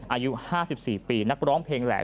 อายุ๕๔ปีนักร้องเพลงแหละ